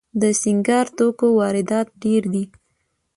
د سینګار توکو واردات ډیر دي